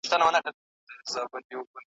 سر چي د شال وړ وي د کشميره ور ته راځي.